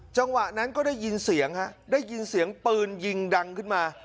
จังหวะนั้นก็ได้ยินเสียงฮะได้ยินเสียงปืนยิงดังขึ้นมา